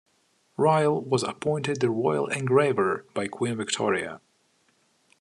Ryall was appointed the royal engraver by Queen Victoria.